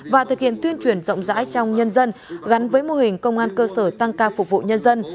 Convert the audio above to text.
và thực hiện tuyên truyền rộng rãi trong nhân dân gắn với mô hình công an cơ sở tăng ca phục vụ nhân dân